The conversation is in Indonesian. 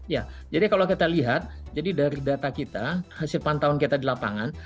ya jadi kalau kita lihat jadi dari data kita hasil pantauan kita di lapangan